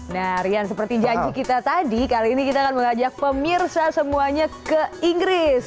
nah rian seperti janji kita tadi kali ini kita akan mengajak pemirsa semuanya ke inggris